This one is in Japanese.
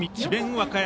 和歌山。